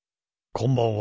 こんばんは。